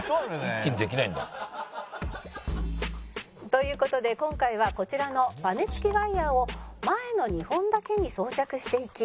「という事で今回はこちらのバネ付きワイヤーを前の２本だけに装着していき」